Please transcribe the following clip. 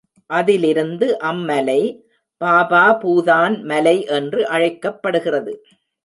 அதிலிருந்து அம் மலை பாபாபூதான் மலை என்று அழைக்கப்படுகிறது.